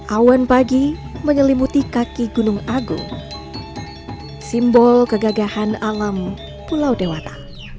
awan pagi menyelimuti kaki gunung agung simbol kegagahan alam pulau dewata